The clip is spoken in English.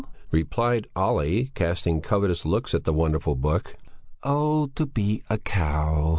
replied Olle, casting covetous looks at the wonderful book. "Oh! to be a cow!"